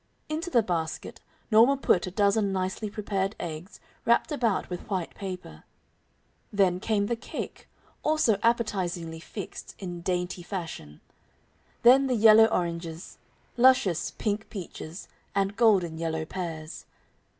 Into the basket Norma put a dozen nicely prepared eggs, wrapped about with white paper. Then came the cake, also appetizingly fixed in dainty fashion; then the yellow oranges, luscious, pink peaches and golden yellow pears.